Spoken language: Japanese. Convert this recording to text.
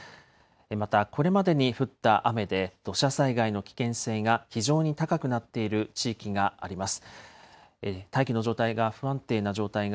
またこれまでに降った雨で土砂災害の危険性が非常に高くなっている地域があります。